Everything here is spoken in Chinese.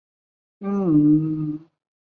变色雀麦为禾本科雀麦属下的一个种。